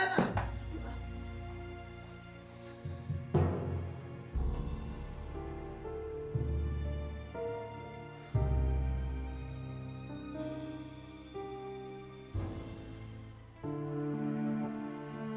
yang paham pengasih lagi maha penyayang